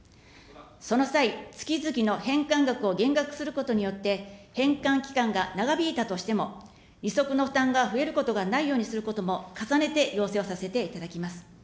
その際、月々の返還額を減額することによって、返還期間が長引いたとしても、利息の負担が増えることがないようにすることも、重ねて要請をさせていただきます。